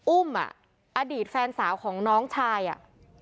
อุ้มอ่ะอดีตแฟนสาวของน้องชายอ่ะ